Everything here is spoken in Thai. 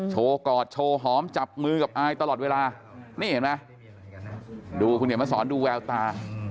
กอดโชว์หอมจับมือกับอายตลอดเวลานี่เห็นไหมดูคุณเขียนมาสอนดูแววตา